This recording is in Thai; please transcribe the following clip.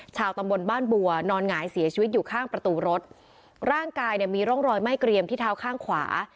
ชาวตำบลบ้านบัวนอนหงายเสียชีวิตอยู่ข้างประตูรถร่างกายเนี่ยมีร่องรอยไหม้เกรียมที่เท้าข้างขวา